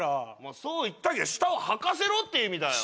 そう言ったけど下をはかせろって意味だよ。